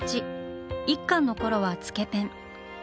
１巻のころはつけペン。